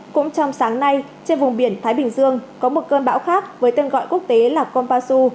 cũng trong sáng nay trên vùng biển thái bình dương có một cơn bão khác với tên gọi quốc tế là konpasu